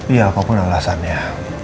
iya apapun alasannya